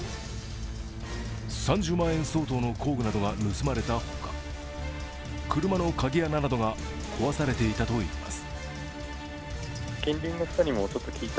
３０万円相当の工具などが盗まれたほか、車の鍵穴などが壊されていたといいます。